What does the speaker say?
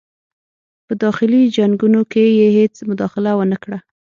په داخلي جنګونو کې یې هیڅ مداخله ونه کړه.